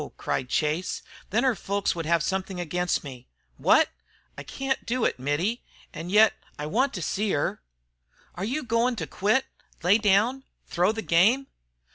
cried Chase. "Then her folks would have something against me." "Wot?" "I can't do it, Mittie, and yet I want to see her " "Are you goin' to quit, lay down, throw the game?"